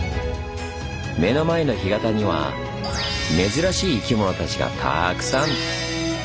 目の前の干潟には珍しい生き物たちがたくさん！